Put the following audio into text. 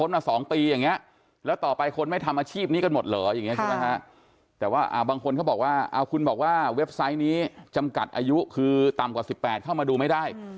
บางคนเขาบอกว่าคุณบอกว่าเว็บไซต์นี้จำกัดอายุคือต่ำกว่าสิบแปดเข้ามาดูไม่ได้